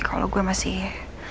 kalau gue masih